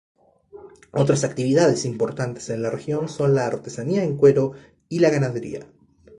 Otras actividades importantes en la región son la artesanía en cuero y la ganadería.